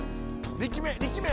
力め！